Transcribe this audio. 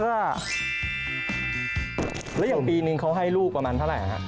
แล้วอย่างปีนึงเขาให้ลูกประมาณเท่าไหร่ฮะ